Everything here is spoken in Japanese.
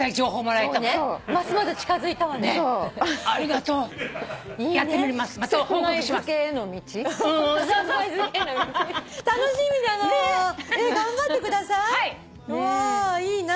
うわいいな。